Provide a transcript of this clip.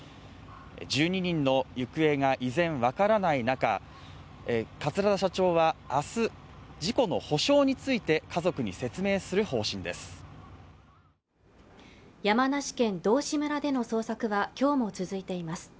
１２人の行方が依然分からない中桂田社長はあす事故の補償について家族に説明する方針です山梨県道志村での捜索は今日も続いています